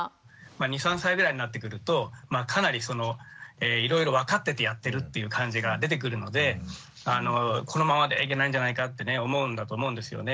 ２３歳ぐらいになってくるとかなりそのいろいろ分かっててやってるっていう感じが出てくるのでこのままではいけないんじゃないかってね思うんだと思うんですよね。